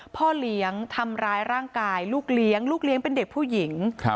พ่อเลี้ยงทำร้ายร่างกายลูกเลี้ยงลูกเลี้ยงเป็นเด็กผู้หญิง